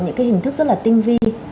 những hình thức rất tinh vi